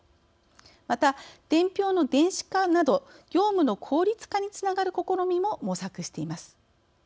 また、伝票の電子化など業務の効率化につながる試みも模索しています。